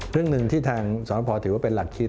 เรื้องนึงที่ทางสอนแพร่พอคิดว่าเป็นหลักคิด